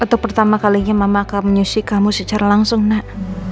untuk pertama kalinya mama kamu nyusi kamu secara langsung nak